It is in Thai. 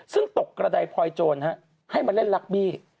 ซึ่งตกกระดายพลอยโจรให้มาเล่นลักบี้